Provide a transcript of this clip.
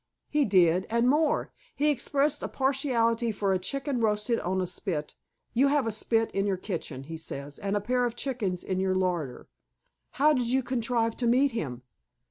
"He did, and more—he expressed a partiality for a chicken roasted on a spit. You have a spit in your kitchen, he says, and a pair of chickens in your larder." "How did you contrive to meet him?"